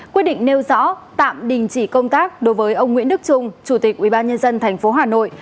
quyết định nêu rõ tạm đình chỉ công tác đối với ông nguyễn đức trung chủ tịch ubnd tp hà nội